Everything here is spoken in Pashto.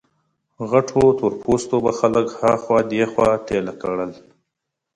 غټو تور پوستو به خلک ها خوا دې خوا ټېله کړل.